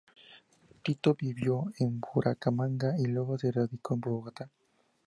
Tito vivió en Bucaramanga y luego se radicó en Bogotá.